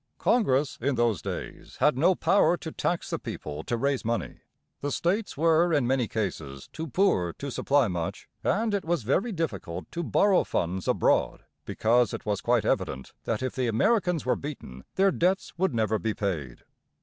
Congress, in those days, had no power to tax the people to raise money, the states were in many cases too poor to supply much, and it was very difficult to borrow funds abroad, because it was quite evident that if the Americans were beaten their debts would never be paid.